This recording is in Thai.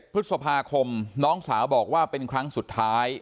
พฤษภาคมน้องสาวบอกว่าเป็นครั้งสุดท้าย